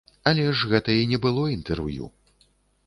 Але ж гэта і не было інтэрв'ю.